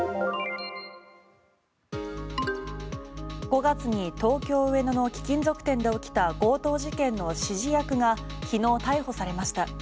５月に東京・上野の貴金属店で起きた強盗事件の指示役が昨日逮捕されました。